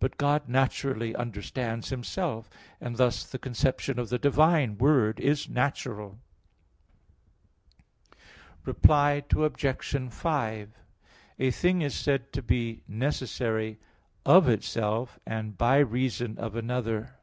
But God naturally understands Himself, and thus the conception of the divine Word is natural. Reply Obj. 5: A thing is said to be necessary "of itself," and "by reason of another."